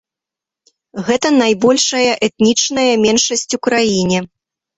Гэта найбольшая этнічная меншасць у краіне.